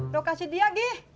do kasih dia gi